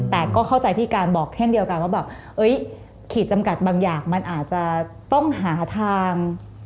แต่ก็เข้าใจที่การบอกเช่นเดียวกันว่าแบบขีดจำกัดบางอย่างมันอาจจะต้องหาทาง